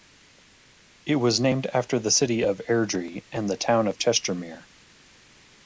It was named after the city of Airdrie and the town of Chestermere.